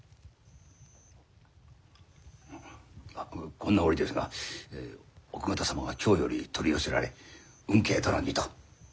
こんな折ですが奥方様が京より取り寄せられ吽慶殿にと。